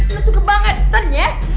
lu tuh kebangetan ya